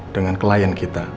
dengan klien kita